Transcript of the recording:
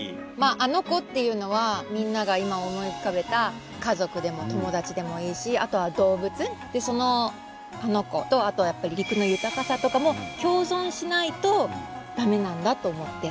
あの子っていうのはみんなが今思い浮かべた家族でも友達でもいいしあとは動物でそのあの子とやっぱり陸の豊かさとかも共存しないと駄目なんだと思って。